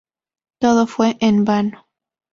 Todo fue en vano.